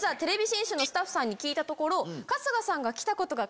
信州のスタッフさんに聞いたところ。